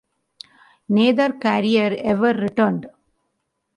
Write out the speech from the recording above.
Neither carrier ever returned.